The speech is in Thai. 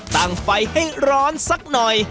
ตั้งไฟให้ร้อนสักหน่อย